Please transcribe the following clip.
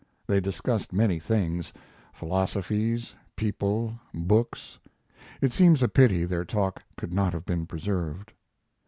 They discussed many things philosophies, people, books; it seems a pity their talk could not have been preserved.